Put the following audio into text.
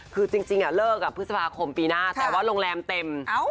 คือจริงเลิกกับพฤษภาคมปีหน้าแต่ว่าโรงแรมเต็ม